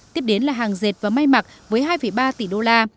tiếp đến là hàng dệt và mai mặt với hai ba tỷ usd